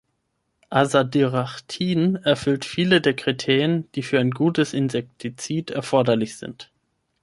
Azadirachtin erfüllt viele der Kriterien, die für ein gutes Insektizid erforderlich sind.